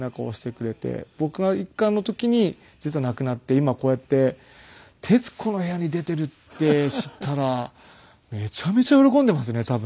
僕が一課の時に実は亡くなって今こうやって『徹子の部屋』に出ているって知ったらめちゃめちゃ喜んでいますね多分。